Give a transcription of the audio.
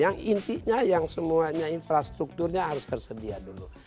yang intinya yang semuanya infrastrukturnya harus tersedia dulu